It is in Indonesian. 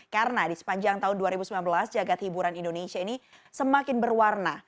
karena di sepanjang tahun dua ribu sembilan belas jagad hiburan indonesia ini semakin berwarna